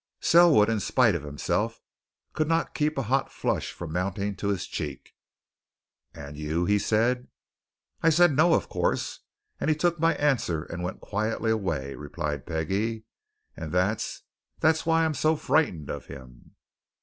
Selwood, in spite of himself, could not keep a hot flush from mounting to his cheek. "And you?" he said. "I said no, of course, and he took my answer and went quietly away," replied Peggie. "And that that's why I'm frightened of him."